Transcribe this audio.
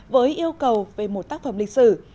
với yêu cầu về một tác phẩm lịch sử